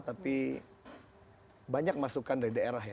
tapi banyak masukan dari daerah ya